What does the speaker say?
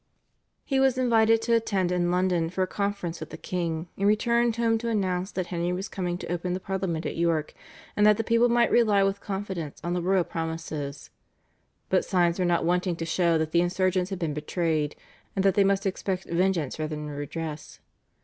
He was invited to attend in London for a conference with the king, and returned home to announce that Henry was coming to open the Parliament at York, and that the people might rely with confidence on the royal promises. But signs were not wanting to show that the insurgents had been betrayed, and that they must expect vengeance rather than redress.